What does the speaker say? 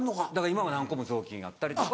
今は何個も雑巾あったりとか。